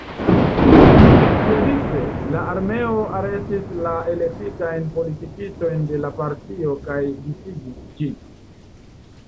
Siavice, la armeo arestis la elektitajn politikistojn de la partio kaj disigis ĝin.